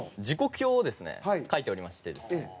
時刻表をですね書いておりましてですね。